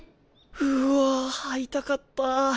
うわ会いたかった。